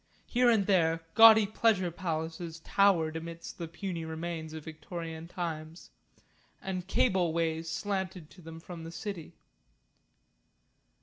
Here and there gaudy pleasure palaces towered amidst the puny remains of Victorian times, and cable ways slanted to them from the city.